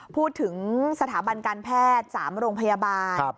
พูดถึงสถาบันการแพทย์๓โรงพยาบาล